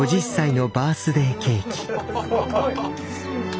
・すごい！